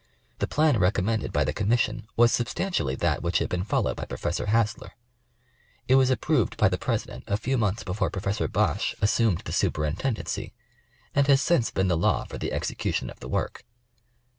The plan recom mended by the Commission was substantially that which had been followed by Professor Hassler. It was approved by the President a few months before Professor Bache assumed the The Survey of the Coast. 63 superintendency and has since been the law for the execution of the work.